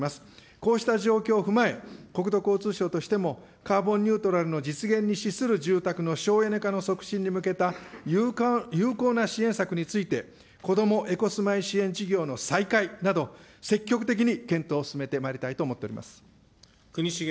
こうした状況を踏まえ、国土交通省としても、カーボンニュートラルの実現に資する住宅の省エネ化の促進に向けた有効な支援策について、こどもエコすまい支援事業の再開など、積極的に検討を進めてまいりたいと思っております。